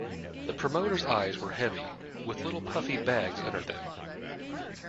The promoter's eyes were heavy, with little puffy bags under them.